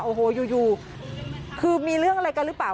โอ้โหอยู่คือมีเรื่องอะไรกันหรือเปล่า